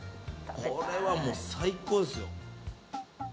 これはもう最高ですよ。